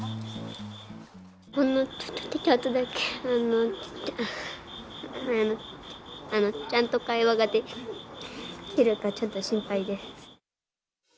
ほんのちょっとだけ、ちゃんと会話ができるか、ちょっと心配です。